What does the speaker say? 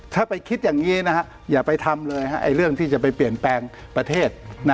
ถ้าไปคิดอย่างนี้อย่าไปทำเลยเรื่องที่จะไปเปลี่ยนแปลงประเทศ